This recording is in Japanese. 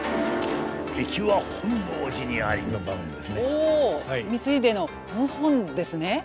お光秀の謀反ですね。